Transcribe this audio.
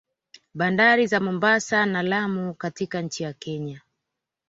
Bandari za Mombasa na Lamu katika nchi Kenya